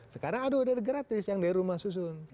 sekarang aduh udah gratis yang dari rumah susun